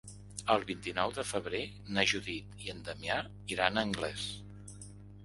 El vint-i-nou de febrer na Judit i en Damià iran a Anglès.